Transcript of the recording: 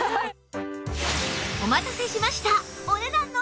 お待たせしました！